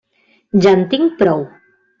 Ja en tinc prou.